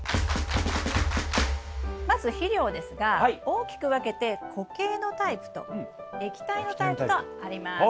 まず肥料ですが大きく分けて固形のタイプと液体のタイプがあります。